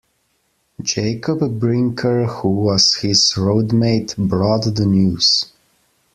Jacob Brinker, who was his roadmate, brought the news.